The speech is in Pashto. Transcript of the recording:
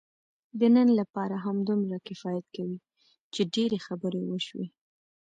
د نن لپاره همدومره کفایت کوي، چې ډېرې خبرې وشوې.